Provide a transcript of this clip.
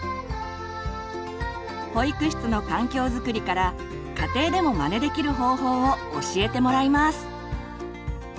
保育室の環境づくりから家庭でもまねできる方法を教えてもらいます。